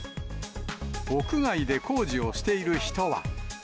屋外で工事をしている人は。